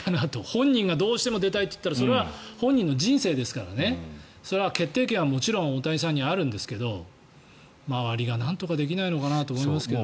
本人がどうしても出たいと言ったらそれは本人の人生ですからそれは決定権はもちろん大谷さんにあるんですけど周りがなんとかできないのかなと思いますけどね。